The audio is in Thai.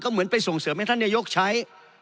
เหมือนไปส่งเสริมให้ท่านนายกใช้